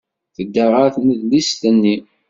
Tedda ɣer tnedlist-nni.